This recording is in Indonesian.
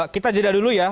kita jeda dulu ya